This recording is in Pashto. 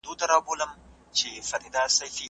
زه خپل سبق تکراروم.